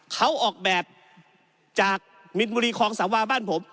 เขาออกแบบจากมินบุรีคลองสาวาบ้านผม